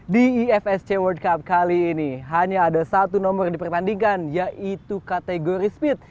di ifsc world cup kali ini hanya ada satu nomor di pertandingan yaitu kategori speed